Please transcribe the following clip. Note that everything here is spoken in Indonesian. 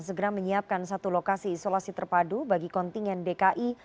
segera menyiapkan satu lokasi isolasi terpadu bagi kontingen dki